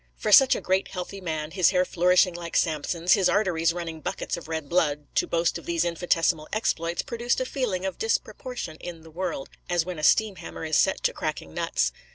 For such a great, healthy man, his hair flourishing like Samson's, his arteries running buckets of red blood, to boast of these infinitesimal exploits, produced a feeling of disproportion in the world, as when a steam hammer is set to cracking nuts.